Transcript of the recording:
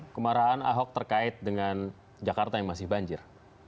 kemarahan ahok terkait dengan jakarta yang masih banjir